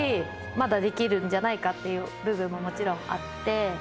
まだできるんじゃないかっていう部分ももちろんあって。